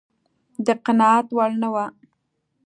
د قناعت وړ نه و.